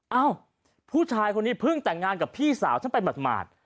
เอ้าผู้ชายคนนี้เพิ่งแต่งงานกับพี่สาวฉันไปหมาด